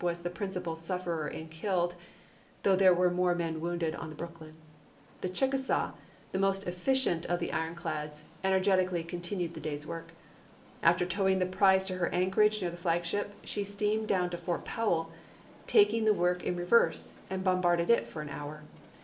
was the principal sufferer in killed, though there Se07tSry were more men wounded on the Brooklyn. im£^m. The Chickasaw, the most efficient of the iron 238 ABRAHAM LINCOLN chap. x. clads, energetically continued the day's work. After towing the prize to her anchorage near the flagship, she steamed down to Fort Powell, taking the work in reverse, and bombarded it for an hour.